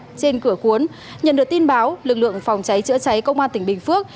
trên cửa cuốn nhận được tin báo lực lượng phòng cháy chữa cháy công an tỉnh bình phước